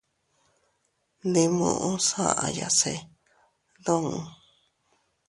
Ndi muʼus aʼaya se duun.